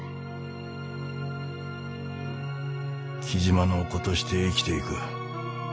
雉真の子として生きていく。